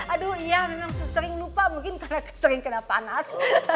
aduh iya memang sering lupa mungkin karena sering kena panas